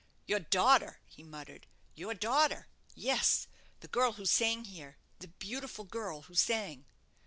"Your daughter!" he muttered; "your daughter! Yes; the girl who sang here, the beautiful girl who sang."